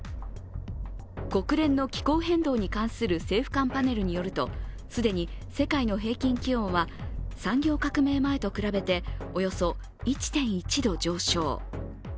国連の気候変動に関する政府間パネルによると既に世界の平均気温は産業革命前と比べておよそ１．１度上昇。